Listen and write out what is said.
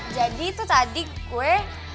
jadi itu tadi gue